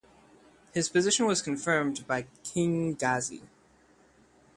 His position was confirmed by King Ghazi.